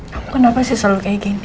hai kenapa sih selalu kayak gini